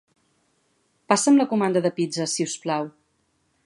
Passa'm la comanda de pizzes, si us plau.